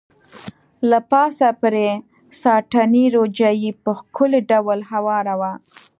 له پاسه پرې ساټني روجايي په ښکلي ډول هواره وه.